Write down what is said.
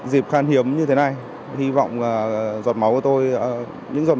dịp khan hiếm như thế này hy vọng là giọt máu của tôi sẽ đi được